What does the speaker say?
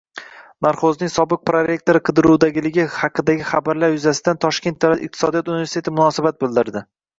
Narxozning sobiq prorektori qidiruvdaligi haqidagi xabarlar yuzasidan Toshkent davlat iqtisodiyot universiteti munosabat bildirdi